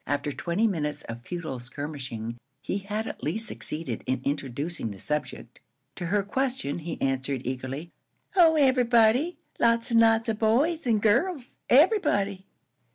After twenty minutes of futile skirmishing, he had at least succeeded in introducing the subject. To her question he answered, eagerly: "Oh, everybody! Lots and lots of boys and girls. Everybody."